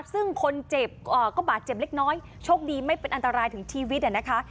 ซึ่งคนเจ็บก็บาดเจ็บเล็กน้อยโชคดีไม่เป็นอันตรายถึงชีวิตนะคะ